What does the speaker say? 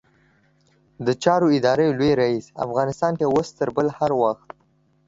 د چارو ادارې لوی رئيس؛ افغانستان کې اوس تر بل هر وخت